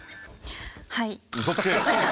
はい。